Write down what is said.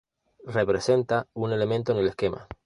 Representa un elemento en el esquema.